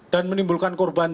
dan menimbulkan korban